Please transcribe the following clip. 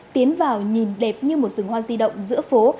tiến vào nhìn đẹp như một rừng hoa di động giữa phố